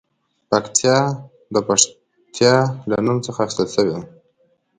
پکتیا د پښتیا له نوم څخه اخیستل شوې ده